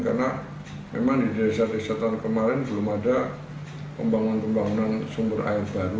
karena memang di desa desa tahun kemarin belum ada pembangunan pembangunan sumber air baru